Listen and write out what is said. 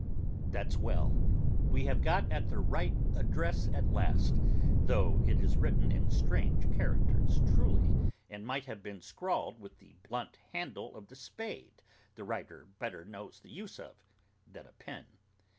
That's well! We have got at the right address at last, though it is written in strange characters truly, and might have been scrawled with the blunt handle of the spade the writer better knows the use of, than a pen.